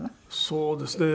そうですね。